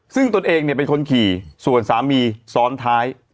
ซึ่งตนเองเนี่ยเป็นคนขี่ส่วนสามีซ้อนท้าย